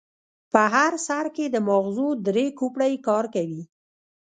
په هر سر کې د ماغزو درې کوپړۍ کار کوي.